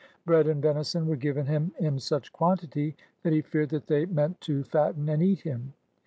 Bread and venison were given him in such quantity that he feared that they meant to fatten and eat him.